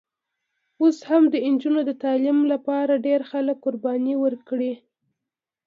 اوس هم د نجونو د تعلیم لپاره ډېر خلک قربانۍ ورکړي.